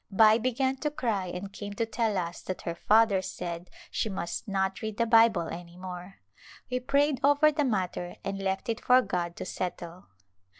Bai began to cry and came to tell us that her father said she must not read the Bible any more. We prayed over the matter and left it for God to settle.